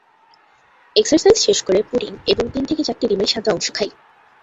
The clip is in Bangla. এক্সারসাইজ শেষ করে পুডিং এবং তিন থেকে চারটি ডিমের সাদা অংশ খাই।